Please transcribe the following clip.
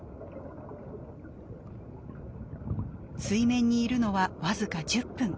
水面にいるのは僅か１０分。